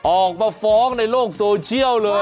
ออกมาฟ้องในโลกโซเชียลเลย